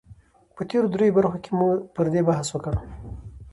په تېرو دريو برخو کې مو پر دې بحث وکړ